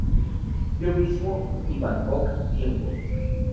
Yo mismo, y Bangkok Tiempo.